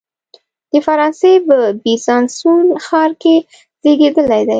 د فرانسې په بیزانسوون ښار کې زیږېدلی دی.